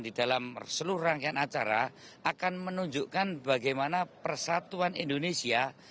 di dalam seluruh rangkaian acara akan menunjukkan bagaimana persatuan indonesia